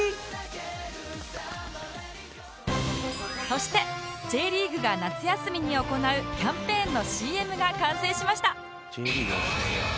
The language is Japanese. そして Ｊ リーグが夏休みに行うキャンペーンの ＣＭ が完成しました